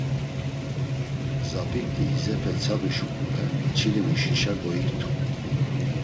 Zabit̆i izepe tsadu şuǩule çilimuşişa goiktu.